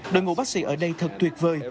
đội ngũ bác sĩ ở đây thật tuyệt vời